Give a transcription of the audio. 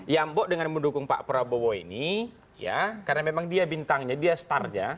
ya mbok dengan mendukung pak prabowo ini ya karena memang dia bintangnya dia star nya